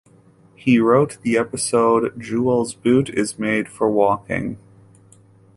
He wrote the episode "Jewel's Boot Is Made for Walking".